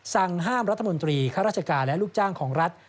สั่งห้ามรัฐมนตรีข้าราชการและลูกจ้างของรัฐ